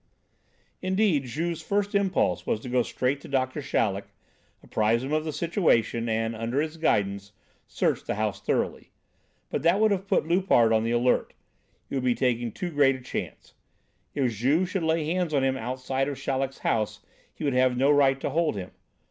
Indeed, Juve's first impulse was to go straight to Doctor Chaleck, apprise him of the situation, and, under his guidance, search the house thoroughly. But that would have put Loupart on the alert. It would be taking too great a chance. If Juve should lay hands on him outside of Chaleck's house he would have no right to hold him.